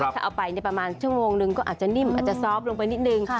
ถ้าเอาไปประมาณชั่วโมงนึงก็อาจจะนิ่มอาจจะซอฟต์ลงไปนิดนึง